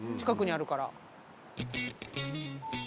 近くにあるから。